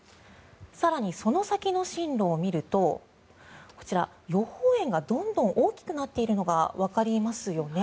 更にその先の進路を見るとこちら、予報円がどんどん大きくなっているのがわかりますよね。